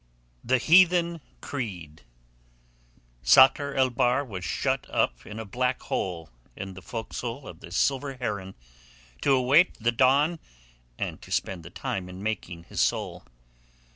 THE HEATHEN CREED Sakr el Bahr was shut up in a black hole in the forecastle of the Silver Heron to await the dawn and to spend the time in making his soul.